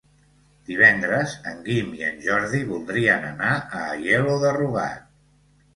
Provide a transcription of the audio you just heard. Divendres en Guim i en Jordi voldrien anar a Aielo de Rugat.